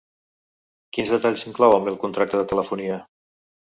Quins detalls inclou el meu contracte de telefonia?